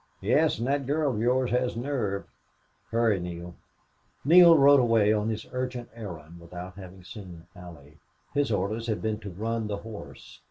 "Yes. And that girl of yours has nerve. Hurry, Neale." Neale rode away on his urgent errand without having seen Allie. His orders had been to run the horse.